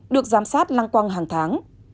được giám sát lăng quăng hàng tháng